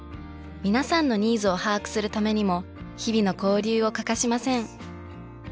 皆さんのニーズを把握するためにも日々の交流を欠かしません。